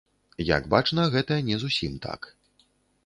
Як бачна, гэта не зусім так.